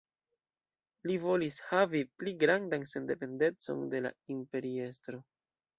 Li volis havi pli grandan sendependecon de Imperiestro.